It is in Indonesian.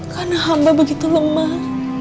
karena hamba begitu lemah